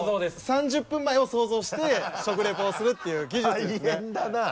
３０分前を想像して食リポをするっていう技術ですね大変だな。